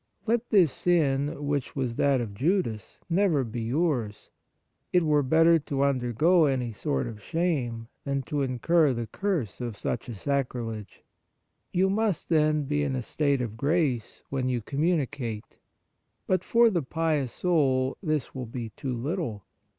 Let this sin, which was that of Judas, never be yours ; it were better to undergo any sort of shame than to incur the curse of such a sacrilege. You must, then, be in a state of grace when you communicate. But for the pious soul this will be too little.